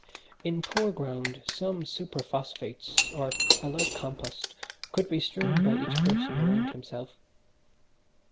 In poor ground some superphosphates, or a light compost could be strewn by each person around himself.